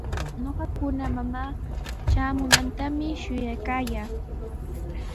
Ñuqakuna mamaa traamunantami shuyaykaayaa.